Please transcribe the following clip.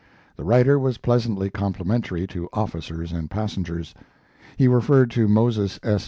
The writer was pleasantly complimentary to officers and passengers. He referred to Moses S.